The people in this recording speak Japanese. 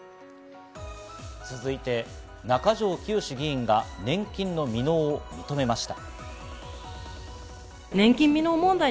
続いて中条きよし議員が年金の未納を認めました。